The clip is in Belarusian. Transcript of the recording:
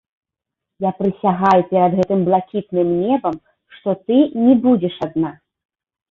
Я прысягаю перад гэтым блакітным небам, што ты не будзеш адна.